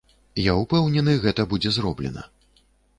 Я ўпэўнены, гэта будзе зроблена.